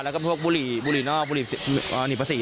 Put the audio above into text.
แล้วก็พวกบุหรี่นอก